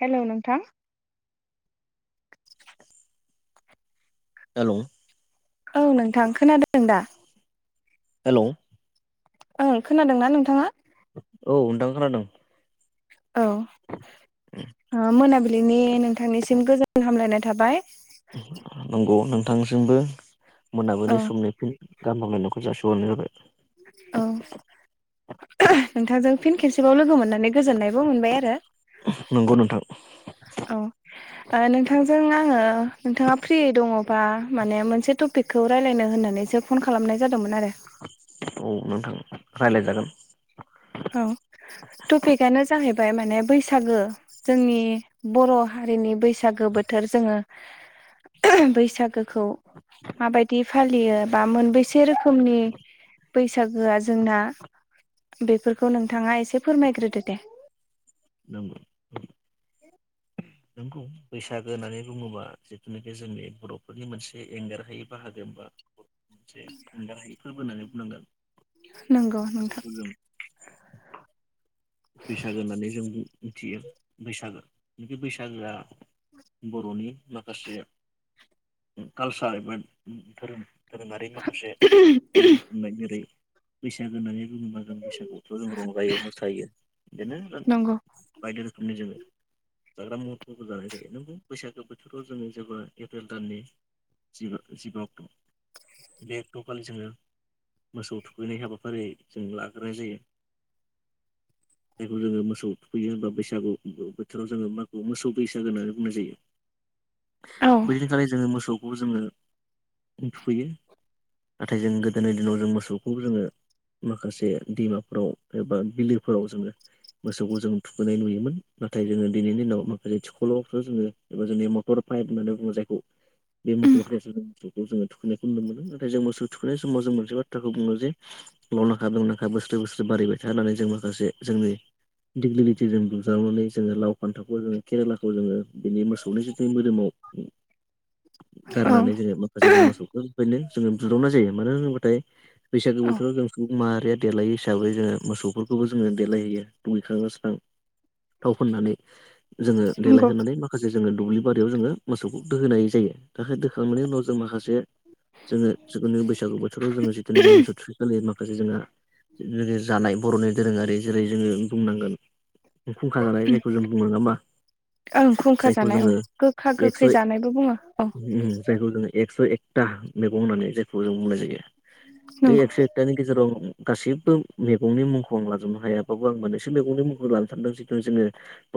Hello नोंथां hello औ नोंथां खोनादों दा हेलौ ओं खोनादोंना नोंथाङा? औ नोंथां खोनादों । औ ओ मोनाबिलि मोनाबिलिनि नोंथांनिसिम गोजोन हामलायनाय थाबाय । नंगौ नोंथांनिसिबो औ मोनाबिलि समनि फिन गाहाम हामलायनायखौ जासिहरनाय जाबाय । औ नोंथांजों फिन खेबसेबाव लोगो मोननानै गोजोननायबो मोनबाय आरो नंगौ नोंथां औ ओ नोंथांजों आङो नोंथाङा फ्रि दङ बा माने मोनसे टपिकखौ रायलायनो होननानैसो फन खालामनाय जादों । औ नोंथां रायज्लाय जागोन । औ टपिकआनो जाहैबाय माने बैसागो जोंनि बर' हारि नि बैसागो बोथोर जोङो बैसागोखौ माबायदि फालियो बा मोनबेसे रोखोमनि बैसागोआ जोंना बेफोरखौ नोंथाङा एसे फोरमायग्रोदो दे । नंगौ नंगौ बैसागो होननानै बुङोबा जिथुनाखि जोंनि बर'फोरनि मोनसे एंगारहायै बाहागो एबा मोनसे एंगारहायै फोरबो होननानै बुंनांगोन । नंगौ नोंथां । बैसागो होननानै जों मिथियो बैसागो बे बैसागोआ बर'नि माखासे कालचार एबा धोरोम धोरोमारि माखासे जेरै बैसागो होननानै बुङोबा जों बैसागुआवथ' जों रंजायो मोसायो बिदिनो ना नंगौ बायदि रोखोमनि जोङो जाग्रा महरफोरबो जानाय जायो नंगौ बैसागो बोथोराव जोंङो जेब्ला एप्रिल दाननि जिबा जिबा अक्ट' बे एक्ट'खालि जोङो मोसौ थुखैनाय हाबाफारि जों लाग्रोनाय जायो । [inaudible] जायखौ जोङो मोसौ थुखैयो होनबा बैसागु बोथोराव जोङो माखौ मोसौ बैसागु होननानै बुंनाय जायो औ । बैदिनखालि जोङो मोसौखौ जोङो थुखैयो । नाथाय जों गोदोनि दिनाव जों मोसौखौ जोङो माखासे दैमाफोराव एबा बिलोफोराव जोङो मोसौखौ जों थुखैनाय नुयोमोन नाथाय जोङो दिनैनि दिनाव माखासे थिकलाव बा जोङो एबा जोंनि मटर पाइप होननानै बुङो जायखौ बे मथर फाइप जों मोसौखौ जोङो थुखैनायखौ नुनो मोनो नाथाय जों मोसौ थुखैनाय समाव जों मोनसे बाथ्राखौ बुङो जे लावनाखा दंनाखा बोसोरे बोसोरे बारिबाय था होननानै जोंबो माखासे जोंनि दिग्लिलिटिजों बुज्रावनानै जोङो लाव फान्थावखौ जोङो केरेलाखौ जोङो बिनि मोसौनि जिथु मोदोमाव [inaudible] गारनानै जोङो माखासे जों मोसौखौनो जोङो बुज्रावनाय जायो मानो होनोबाथाय बैसागु औ बोराव जों माहारिया देलायो हिसाबै जोङो मोसौफोरखौबो जोङो देलायहैयो दुगैखां लोबस्रां थाव फोननानै जोङो नंगौ देलायहोनानै माखासे जोङो दुब्लि बारियाव जोङो मोसौखौ दोहैनाय जायो दोखांनायनि उनाव जों माखासे जोङो जिुखुनु बैसागु बोथोराव जोङो जिथुनाखि मोसौ थुखैखालि माखासे जोंहा जानाय बर'नि दोरोङारि जेरै जोङो बुंनांगोन फुंखा जानाय जायखौ जों बुङो नङा होमबा ओं खुंखा जायखौ जानाय औ जोङो गोखा एक्स' गोखै जानायबो बुङो औ जायखौ जोङो एक्स' एक एकता मैगं होननानै जायखौ जों बुंनाय जायो बे नंगौ एक्स' एकटानि गेजेराव गासिबो मैगंनि मुं खौ आं लाजोबनो हायाबाबो आं मोननैसो मैगंनि मुंखौ लानो सानदों जिथु जोङो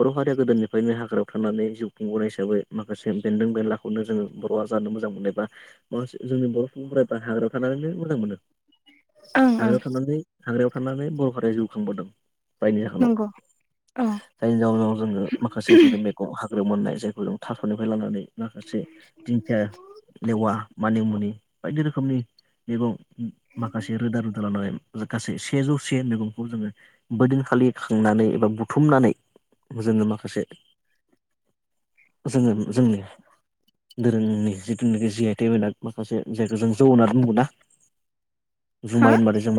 बर' हारिया गोदोनिफ्रायनो हाग्रायाव थाना नै जिउ खुंबोनाय हिसाबै माखासे बेन्दों बेनला खौनो जोङो बर'आ जानो मोजां मोननाय बा माखासे जोंनि बर' सुबुंफोरा हाग्रायाव थानानैनो मोजां मोनो ओं ओं हाग्रायाव थानानै हाग्रायाव थानानै बर' हारिया जिउ खांबोदों जायनि जाहोनाव अ जायनि जाहोनाव जोङो माखासे जोंनि मैगं हाग्रायाव मोननाय जायखौ जों थास'निफ्राय लानानै माखासे [unintelligible] लेवा मानि मुनि नि बायदि रोखोमनि मैगं माखासे रोदा रोदा लानानै गासै सेजौसे मैगंखौ जोङो बैदिनखालि खांनानै एबा बुथुमनानै जोङो माखासे जोङो जोंनि दोरोंनि जिथुनाखि जि आइ टेग होनना माखासे जायखौ जों जौ होननानै बुङोना हा जुमाय होनबाथाय जों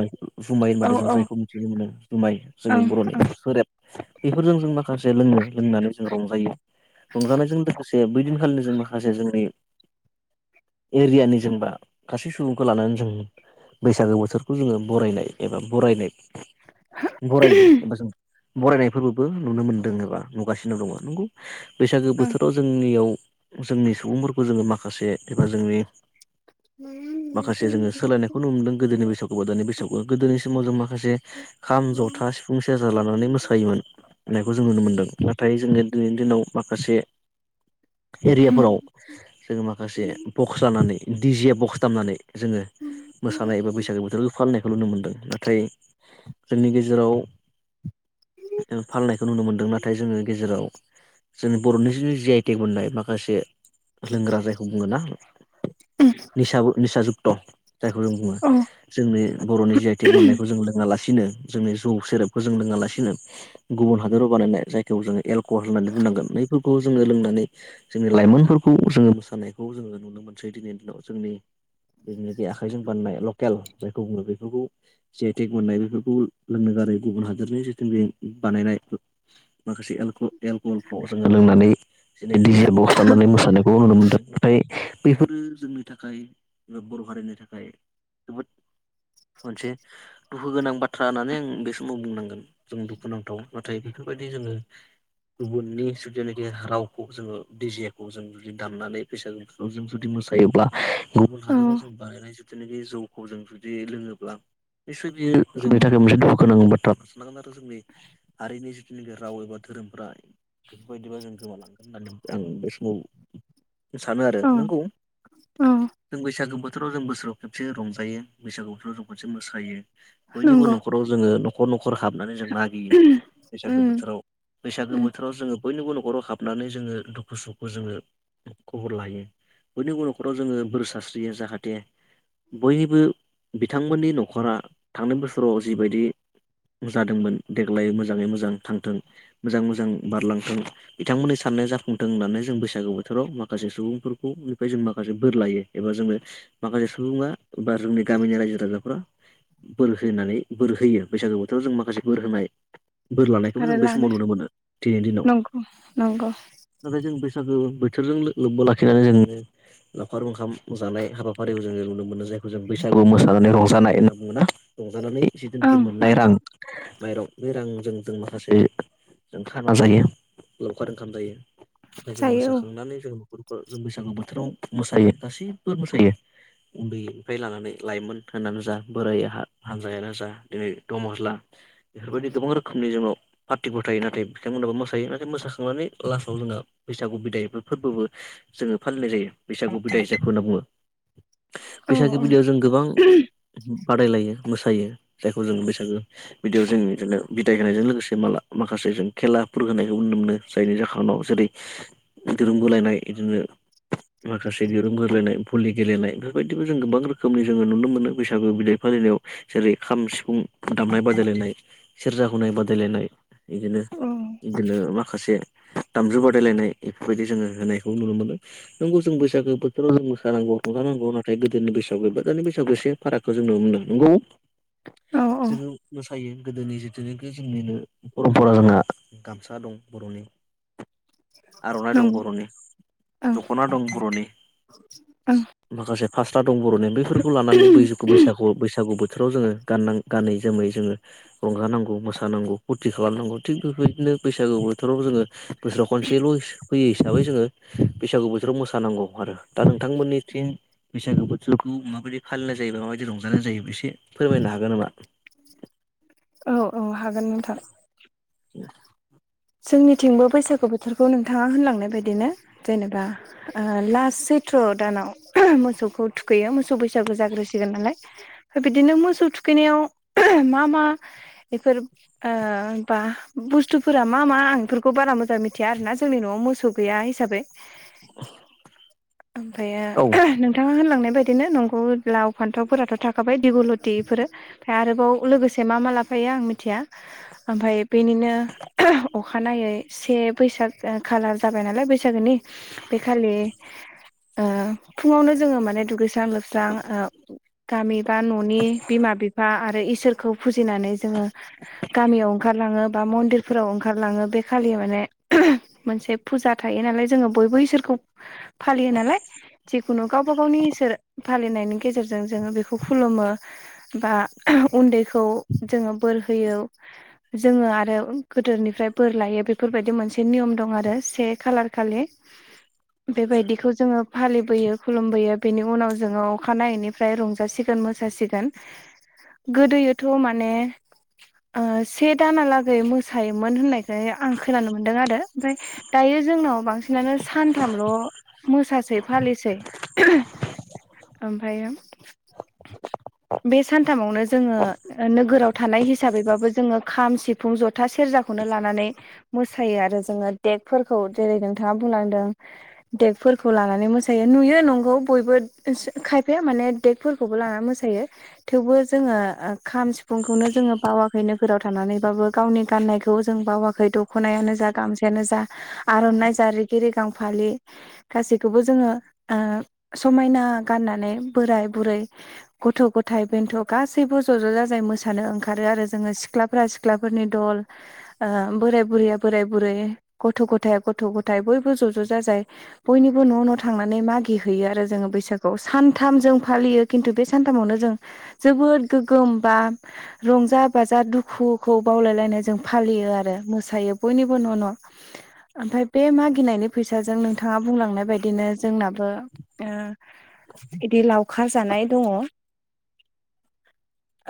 जुमाय औ होनबाथाय जों औ जायखौ मिथिनो मोनो जुमाइ जोंनि ओं बर'नि ओं सेरेब बेफोरजों जों माखासे लोंनो लोंनानै जों रंजायो रंजानायजों लोगोसे बै दिनखालिनो जों माखासे जोंनि एरियानि जों बा गासै सुबुंखौ लानानै जों बैसागो बोथोरखौ जोङो बरायनाय एबा बरायनाय बरायो एबा जों बरायनायफोरबोबो नुनो मोनदों एबा नुगासिनो दङ' नंगौ बैसागो ओं बोथोराव जोंनियाव जोंनि सुबुंफोरखौ जोङो माखासे एबा जोंनि औ माखासे जोङो सोलायनायखौ नुनो मोनदों गोदोनि बैसागु गोदोनि बैसागु गोदोनि समाव जों माखासे खाम जथा सिफुं सेरजा लानानै मोसायोमोन होननायखौ जों नुनो मोनदों नाथाय जोङो दिनैनि दिनाव माखासे एरियाफोराव जोङो माखासे बक्स लानानै दि जे बक्स दामनानै जोङो मोसानाय एबा बैसागो बोथोर फालिनायखौ नुनो मोन्दों नाथाय जोंनि गेजेराव फांनायखौ नुनो मोनदों नाथाय जोङो गेजेराव जोंनि बर'नि जि जि आइ टेग मोननाय माखासे लोंग्रा जायखौ बुङो ना निसा निसा जुक्त जायखौ जों बुङो जोंनि बरनि जि आइ टेग मोननायखौ जों लासिनो जों जौ सेरेबखौ जों लोङा लानो गुबुन हादोराव बानायनाय जायखौ जों एलकहल होननानै बुंनांगोन नैफोरखौ जोङो लोंनानै जोंनि लाइमोनफोरखौ जोङो मोसानायखौ जोङो नुनो मोनसै दिनै जोंनि जेनाखि आखाइजों बानायनाय लकेल जायखौ बुङो बेफोरखौ जि आइ टेग मोननाय बेफोरखौ लोंनो गारै गुबुन हादरनि जिथु बे बानायनाय माखासे एलक एलकहलखौ जोङो लोंनानै दिनै दि जे बक्स दामनानै मोसानायखौ नुनो मोन्दों नाथाय बेफोरो जोंनि थाखाय एबा बर' हारिनि थाखाय जोबोद मोनसे दुखु गोनां बाथ्रा होननानै आं बे समाव बुंनांगोन जों दुखुनांथाव नाथाय बेफोरबायदि जोङो गुबुननि जुदिनाखि रावखौ जोङो डिजेखौ जों जुदि दामनानै बैसागोफोराव जों जुदि मोसायोब्ला गुबुन औ हादोराव जों बानायनाय जिथुनाखि जौखौ जों जुदि लोङोब्ला निसय बियो जोंनि औ थाखाय मोनसे [unintelligible] बा [unintelligible] आरो जोंनि हारिनि जिथुनाखि राव एबा धोरोमफ्रा बेफोरबायदिबा जों गोमालांगोन होननानै आं बे समाव सानो आरो औ नंगौ औ जों बैसागो बो थोराव जों बोसोराव खेबसे रंजायो, बैसागु बोथाराव जों खेबसे मोसायो, बयनिबो नंगौ नखराव जोङो न'खर न'खर हाबनानै जों मागियो। बैसागो उम बोथोराव। बैसागो उम बोथोराव जोङो बयनिबो न'खराव हाबनानै जोङो दुखु सुखु जोङो खब'र लायो। बयनिबो न'खराव जोङो बोर सारस्रियो जाहाथे बयनिबो बिथांमोननि न'खरा थांनाय बोसोराव जिबायदि जादोंमोन देग्लाय मोजाङै मोजां थांथों मोजाङै मोजां बारलांथों बिथांमोननि सा नाय जाफुंथों होननानै जों बैसागु बोथोराव माखासे सुबुंफोरखौ निफ्राय जों माखासे बोर लायो एबा जोङो माखासे सुबुङा बा जोंनि गामिनि रायजो राजाफोरा बोर होनानै, बोर होयो। बैसागो बोथोराव जों माखासे बोर होनाय बोर लानायखौबो आरो जों बे लानाय समाव नुनो मोनो, दिनैनि दिनाव। नंगौ नंगौ नाथाय जों बै सागो बोथोरजों लो-लोब्बा लाखिनानै जोङो लावखार ओंखाम जानाय हाबाफारियाव जोङो नुनो मोनो। जायखौ जों बैसागु मोसानानै रंजानाय होनना बुङो ना? रंजानानै जिथुनाखि ओं ओं मोननाय रां माइराव बे रांजों जों माखासे जों खाना जायो, लावखार ओंखाम जायो। [unintelligible] जों जायो मोसाखांनानै जों न'खर [unintelligible] जों बैसागो बोथोराव मोसायो, गासिब्बो मोसायो। उन्दैनिफ्राय लानानै लाइमोन होननानो जा बोराइ हा हानजायानो जा दिनै दमस्ला बेफोरबायदि गोबां रोखोमनि जोंनाव पार्टिखौ थायो नाथाय बिथांमोनाबो मोसायो। नाथाय मोसाखांनानै लास्टआव जोंहा बैसागु बिदाय एबा फोरबोबो जोङो फालिनाय जायो, बैसागु बिदाय जायखौ होनना बुङो। [unintelligible] औ बैसागि बिदियाव जों गोबां बादायलायो। मोसायो जायखौ जों बैसागो बिदियाव जों बिदिनो बिदाय होनायजों लोगोसे माला माखासे जों खेला फोर होनायखौ नुनो मोनो। जायनि जाहोनाव जेरै दिरुं बोलायनाय इदिनो माखासे दिरुं बोलायनाय, भलि गेलेनाय बेफोरबायदिबो जों गोबां रोखोमनि जोङो नुनो मोनो, बैसागु बिदाय फालिनायाव। जेरै खाम, सिफुं दामनाय बादायलायनाय, सेरजा हुनाय बादायलायनाय। इदिनो औ इदिनो माखासे दामजु बादायलायनाय एफोरबायदि जोङो होनायखौ नुनो मोनो। नोंगौ जों बैसागो बोथोराव जों मोसानांगौ, रंजानांगौ नाथाय गोदोनि बैसागुआव दानि बैसागुआव एसे फारागखौ जोंनो नुनो मोनदों। नंगौ। औ औ जोङो मोसायो। गोदोनि जिथुनाखि जोंनिनो परमपरा जोंहा गामसा दं बर'नि। आर'नाइ दं नंगौ बर'नि, ओं दख'ना दं बर'नि। ओं माखासे फास्रा दं बर'नि। बैफोरखौ लानानै बैगु- बैसागु बैसागु बो बोथोराव जोङो गाननां गानै जोमै जोङो रंजानांगौ मोसानांगौ फुरथि खालामनांगौ। थिग बेफोरबायदि नो बैसागु बोथोराव जोङो बोसोराव खनसेल' फैयो हिसाबै जोङो बैसागु बोथोराव मोसानांगौ। आरो दा नोंथांमोननिथिं बैसागो बोथोरखौ माबायदि फालिनाय जायो बा माबायदि रंजानाय जायो एसे फोरमायनो हागोन नामा? औ औ हागोन नोंथां। [inaudible] जोंनिथिंबो बैसागु बोथोरखौ नोंथाङा होनलांनाय बायदिनो जेनेबा ओ लास सै थ्र' दानाव मोसौखौ थुखैयो, मोसौ बैसागो जाग्रोसिगोन नालाय। बिदिनो मोसौ थुखैनायाव मा मा एफोर बा बुस्थुफोरा मा मा आं बेफोरखौ बारा मोजां मिथिया आरोना जोंनि न'आव मोसौ गैया हिसाबै। [inaudible] ओमफायो औ नोंथाङा होनलांनाय बेबायदिनो नगौ लाव फान्थावफोराथ' थाखाबाय दिगुलति एफोरो ओमफ्राय आरोबाव लोगोसे मा मा लाफा यो आं मिथिया ओमफाय बेनिनो अखानायै से बैसाग खा खालार जाबाय नालाय बैसागुनि, बेखालि ओ फुङावनो जोङो माने दुगैस स्रां लोबस्रां ओ गामि बा न'नि बिमा बिफा आरो इसोरखौ फुजिनानै जोङो गामियाव ओंखारलाङो बा मन्दिरफोराव ओंखारलाङो बे खालि माने मोनसे फुजा थायो नालाय जोङो बयबो इसोरखौ फालियो नालाय जिखुनु गावबा गावनि इसोर फालिनायनि गेजेरजों जोङो बेखौ खुलुमो बा उन्दैखौ जोङो बोर होयो जोङो आरो गोदोनिफ्राय बोर लायो बेफोरबायदि मोनसे नियम दं आरो से खालार खालि बेबायदि जोङो फालिबोयो खुलुमबोयो बेनि उनाव जोङो अखानायैनिफ्राय रंजासिगोन मोसासिगोन। गोदोयोथ' माने से दानालागै मोसायोमोन होननाय फ्राय आं खोनानो मोन्दों आरो ओमफ्राय दायो जोंनाव बांसिनानो सानथामल' मोसासै फालिसै ओमफायो बे सानथामावनो जोङो नोगोराव थानाय हिसाबैबाबो जोङो खाम सिफुं जथा सेरजाखौ लानानै मोसायो आरो जोंङो देगफोरखौ जेरै नोंथांङा बुंलांदों देग फोरखौ लानानै मोसायो नुयो नंगौ बयबो खायफाया माने देगफोरखौबो लानानै मोसायो। थेवबो जोङो खाम सिफुंखौनो जोङो बावाखै नोगोराव थानानैबाबो गावनि गाननायखौ जों बावाखै दख'नायानो जा गामसायानो जा आर'नाइ जा रिगि रि गां फालि गासैखौबो जोङो ओ समायना गाननानै बोराय बुरै गथ' गथ' थाइ बेन्थ' गासैबो ज' ज' जाजाय मोसानो ओंखारो आरो जोङो सिख्लाफ्रा सिख्लाफोरनि दल ओ बोराय बुरैया बोराय बुरै गथ' गथाया गथ' गथायाइ बयबो ज' ज' जाजाय बयनिबो न' न' थांनानै मागि हैैयो आरो जोङो बैसागुआव। सान्थाम जों फालियो खिन्थु बे सानथामावनो जोबोद गोग्गोम बा रंजा बाजा दुखुखौ बावलायलायनाय जों फा लियो आरो मोसादों, बयनिबो न' न' ओमफ्राय बे मागिनायनि फैसाजों नोंथां थाङा बुंलांनाय बायदिनो जोंनाबो ओ इदि लावखार जानाय दङ।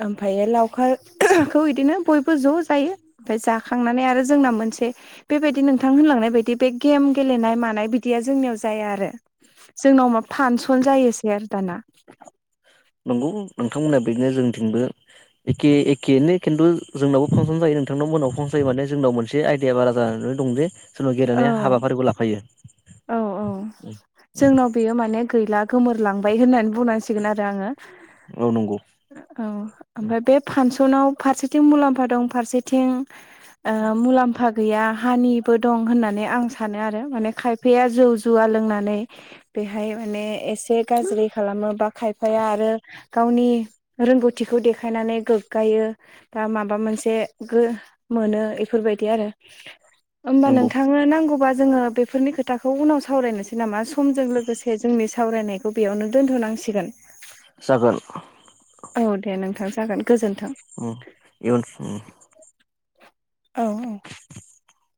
ओमफ्रायो लावखारखौ इदिनो बयबो ज' जायो ओमफ्राय जाखांनानै आरो जोंना मोन बे बेबायदि नोंथां होनलांनाय बायदि बे गेम गेलेनाय मानाय बिदि दिया जोंनियाव जाया आरो। जोंनाव मा फानसन जायोसै आरो दाना [inaudible] नंगौ नोंथांमोना बेनो जोंथिंबो एखे एखेनो खिन्थु जोंनावबो फांसन जायो नोंथांनाव मोननाव फंसायो माने जोंनाव मोनसे आयदाया बारा जानानै दं जे जोंनाव औ गेलेनाय हाबाफारिखौ लाफायो औ औ जोंनाव बेयो माने गैला गोमोरलांबाय होनना बुनां सिगोन आरो आंङो औ नंगौ औ ओमफ्राय बे फानस सनाव फारसेथिं मुलाम्फा दं फारसेथिं मुलाम्फा गैया हानिबो दं होननानै आं सानो आरो माने खायफाया जौ जुवा लोंनानै बेहाय माने एसे गाज्रि खालामो बा खायफाया आरो गावनि रोंगौथिखौ देखायनानै गोग्गायो बा माबा मोनसे गो मोनो इफोरबायदि आरो होमबा नंगौ नोंथांनो नांगौबा जोङो बेफोरनि खोथाखौ उनाव सावरायनोसै नामा समजों लोगोसे जोंनि सावरायनायखौ बेयावनो दोनथ'नांसिगोन। जागोन। औ दे नोंथां जागोन गोजोन्थों । उम [unintelligible] औ औ